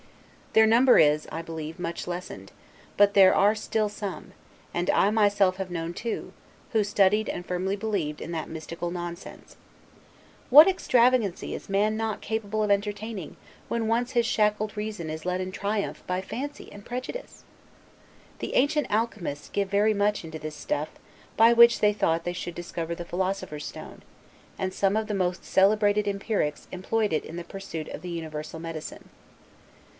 Their number is, I believe, much lessened, but there are still some; and I myself have known two; who studied and firmly believed in that mystical nonsense. What extravagancy is not man capable of entertaining, when once his shackled reason is led in triumph by fancy and prejudice! The ancient alchemists give very much into this stuff, by which they thought they should discover the philosopher's stone; and some of the most celebrated empirics employed it in the pursuit of the universal medicine.